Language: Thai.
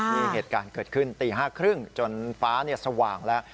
นี่เหตุการณ์เกิดขึ้นตี๕๓๐จนฟ้าสว่างแล้ว